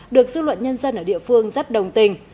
được dư luận nhân dân ở địa phương rất đồng tình